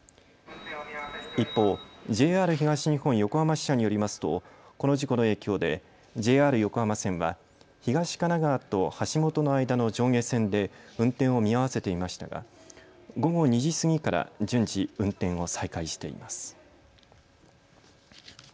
一方、ＪＲ東日本横浜支社によりますと、この事故の影響でＪＲ横浜線は東神奈川と橋本の間の上下線で運転を見合わせていましたが、午後２時過ぎから順次、運転を再開しています。